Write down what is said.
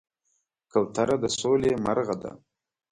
کوتره د سولې مرغه ده.